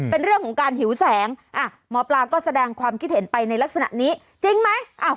เป็นเรื่องของการหิวแสงหมอปลาก็แสดงความคิดเห็นไปในลักษณะนี้จริงไหม